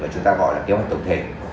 chúng ta gọi là kế hoạch tổng thể